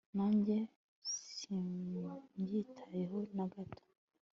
Nanjye simbyitayeho na gato